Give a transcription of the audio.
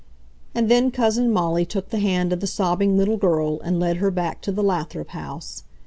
And then Cousin Molly took the hand of the sobbing little girl and led her back to the Lathrop house.